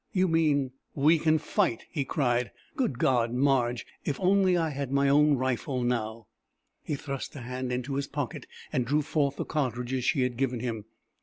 "You mean...." "We can fight!" he cried. "Good God, Marge if only I had my own rifle now!" He thrust a hand into his pocket and drew forth the cartridges she had given him.